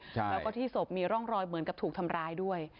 แล้วก็ที่ศพมีร่องรอยเหมือนกับถูกทำร้ายด้วย